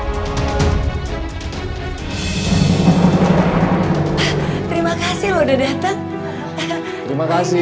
sumpah mati kau urusak jiwaku saat ini